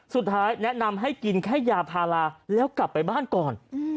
สุดท้ายแนะนำให้กินแค่ยาพาราแล้วกลับไปบ้านก่อน